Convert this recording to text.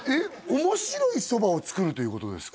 面白いそばを作るということですか？